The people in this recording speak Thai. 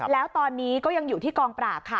แล้วตอนนี้ก็ยังอยู่ที่กองปราบค่ะ